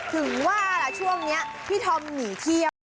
ถึงว่าล่ะช่วงนี้พี่ธอมหนีเที่ยว